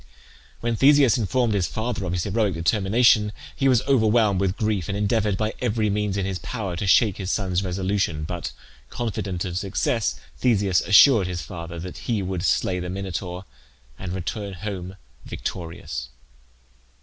When Theseus informed his father of his heroic determination, he was overwhelmed with grief, and endeavoured, by every means in his power, to shake his son's resolution, but, confident of success, Theseus assured his father that he would slay the Minotaur and return home victorious.